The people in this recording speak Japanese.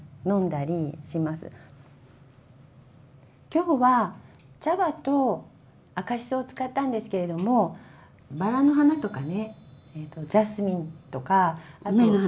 きょうは茶葉と赤しそを使ったんですけれどもばらの花とかねジャスミンとか。